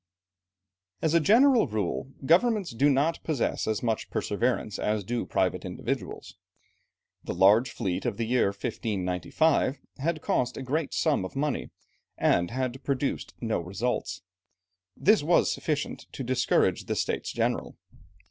As a general rule governments do not possess as much perseverance as do private individuals. The large fleet of the year 1595, had cost a great sum of money, and had produced no results; this was sufficient to discourage the States General.